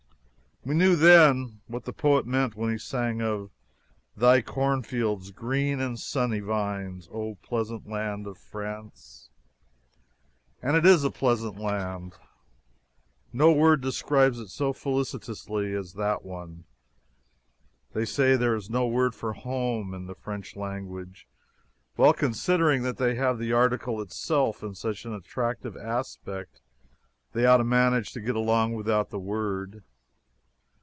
We knew then what the poet meant when he sang of: " thy cornfields green, and sunny vines, O pleasant land of France!" And it is a pleasant land. No word describes it so felicitously as that one. They say there is no word for "home" in the French language. Well, considering that they have the article itself in such an attractive aspect, they ought to manage to get along without the word.